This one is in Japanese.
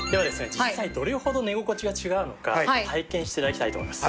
実際どれほど寝心地が違うのか体験して頂きたいと思います。